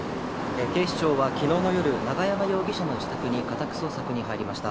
警視庁はきのうの夜、永山容疑者の自宅に家宅捜索に入りました。